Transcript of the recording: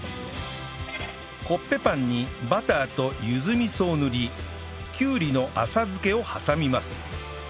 コッペパンにバターとゆず味噌を塗りきゅうりの浅漬けを挟みます